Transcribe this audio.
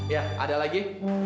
ya ada lagi